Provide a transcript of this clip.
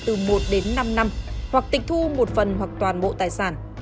từ một đến năm năm hoặc tịch thu một phần hoặc toàn bộ tài sản